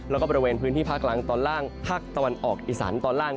แล้วก็บริเวณพื้นที่ภาคล่างตอนล่างภาคตะวันออกอีสานตอนล่าง